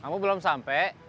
kamu belum sampai